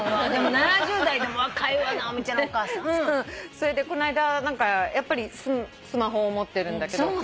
それでこの間やっぱりスマホを持ってるんだけど。